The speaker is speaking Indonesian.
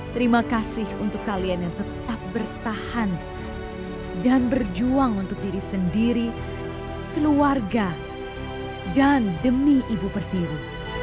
terima kasih untuk kalian yang tetap bertahan dan berjuang untuk diri sendiri keluarga dan demi ibu pertiwi